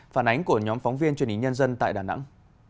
phản ánh của nhóm phóng viên truyền hình nhân dân tại đà nẵng